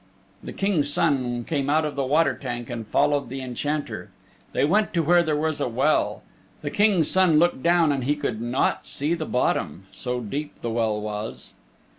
The King's Son came out of the water tank and fol lowed the Enchanter. They went to where there was a well. The King's Son looked down and he could not see the bottom, so deep the well was.